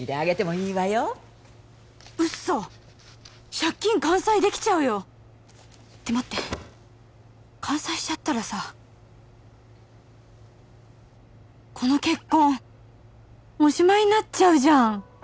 借金完済できちゃうよって待って完済しちゃったらさこの結婚おしまいになっちゃうじゃん！